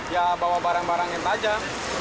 ya bawa barang barang yang tajam